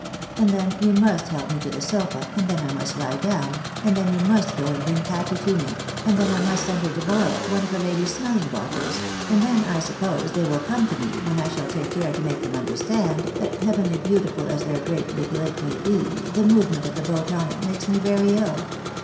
And then you must help me to the sofa, and then I must lie down, and then you must go and bring Patty to me, and then I must send her to borrow one of the ladies' smelling bottles, and then I suppose they wiU come to me, when I shall take care to make them understand, that heavenly beautiful as their great big lake may be, the movement of the boat on it makes me very ill.